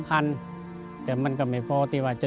แต่ไม่เจากับผี